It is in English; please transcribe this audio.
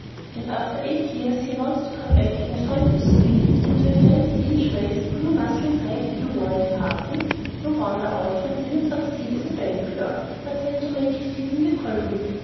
"And after eight years he wants to come back and find you squeezed into a twenty inch waist, blue muslin rag you wore at parting? No wonder Alfred didn't succeed as a bank clerk, but had to make his hit in the colonies.